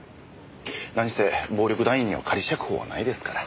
何せ暴力団員には仮釈放はないですから。